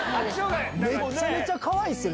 めっちゃめちゃかわいいっすよ